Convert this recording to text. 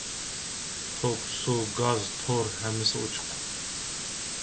توك، سۇ، گاز، تور ھەممىسى ئوچۇق.